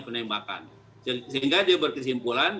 penembakan sehingga dia berkesimpulan